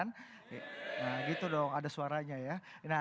nah gitu dong ada suaranya ya